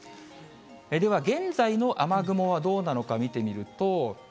では、現在の雨雲はどうなのか見てみると。